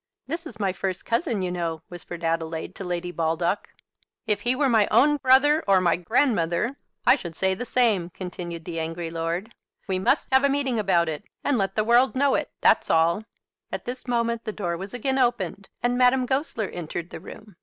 "This is my first cousin, you know," whispered Adelaide, to Lady Baldock. "If he were my own brother, or my grandmother, I should say the same," continued the angry lord. "We must have a meeting about it, and let the world know it, that's all." At this moment the door was again opened, and Madame Goesler entered the room.